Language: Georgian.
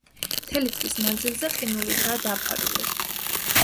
მთელი წლის მანძილზე ყინულითაა დაფარული.